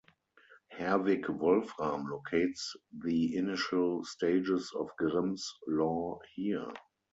Herwig Wolfram locates the initial stages of Grimm's Law here.